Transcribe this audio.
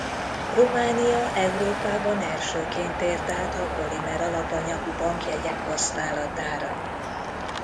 Románia Európában elsőként tért át a polimer alapanyagú bankjegyek használatára.